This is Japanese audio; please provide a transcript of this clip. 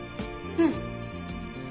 うん。